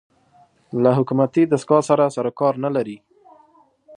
له حکومتي دستګاه سره سر و کار نه لري